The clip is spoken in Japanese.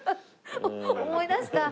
思い出した！